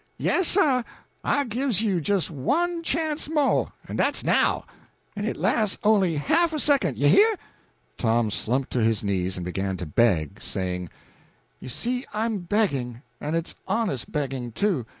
Yassir, I gives you jes one chance mo', and dat's now, en it las' on'y a half a second you hear?" Tom slumped to his knees and began to beg, saying "You see, I'm begging, and it's honest begging, too!